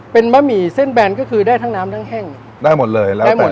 เป็นบะหมี่เส้นแบนก็คือได้ทั้งน้ำทั้งแห้งได้หมดเลยแล้วได้หมด